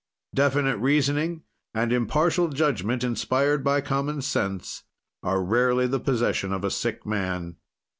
Definite reasoning and impartial judgment, inspired by common sense, are rarely the possession of a sick man.